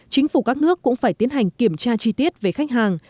chính phủ các nước cũng phải tiến hành kiểm tra chi tiết về khách hàng